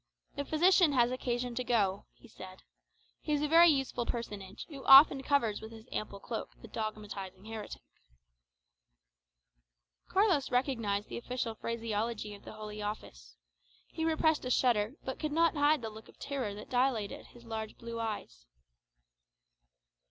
"The physician has occasion to go," he said; "he is a very useful personage, who often covers with his ample cloak the dogmatizing heretic." Carlos recognized the official phraseology of the Holy Office. He repressed a shudder, but could not hide the look of terror that dilated his large blue eyes.